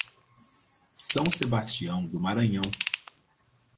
São Sebastião do Maranhão